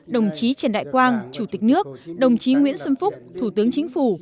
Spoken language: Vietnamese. đồng chí trần đại quang chủ tịch nước đồng chí nguyễn xuân phúc thủ tướng chính phủ